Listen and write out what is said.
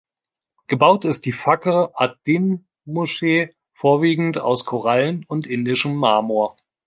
Gebaut ist die Fakr-ad-Din-Moschee vorwiegend aus Korallen und indischem Marmor.